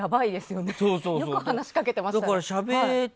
よく話しかけてましたね。